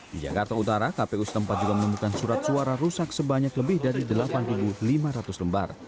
di jakarta utara kpu setempat juga menemukan surat suara rusak sebanyak lebih dari delapan lima ratus lembar